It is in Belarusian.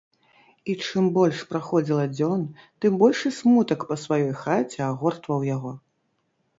І чым больш праходзіла дзён, тым большы смутак па сваёй хаце агортваў яго.